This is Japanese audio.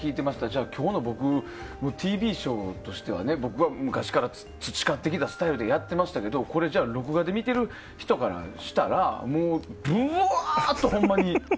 じゃあ、今日の僕ＴＶショーとしてはね僕が昔から培ってきたスタイルでやってましたけどこれ、じゃあ録画で見てる人からしたらもう、ぶわーっと、ほんまに。